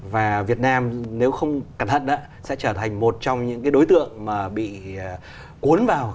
và việt nam nếu không cẩn thận sẽ trở thành một trong những cái đối tượng mà bị cuốn vào